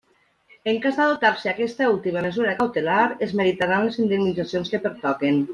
En cas d'adoptar-se aquesta última mesura cautelar, es meritaran les indemnitzacions que pertoquen.